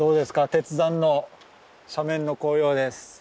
鉄山の斜面の紅葉です。